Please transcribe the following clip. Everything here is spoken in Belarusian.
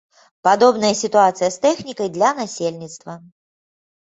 Падобная сітуацыя з тэхнікай для насельніцтва.